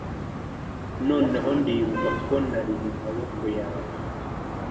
Noneho ndibuka ko nari mu maboko yawe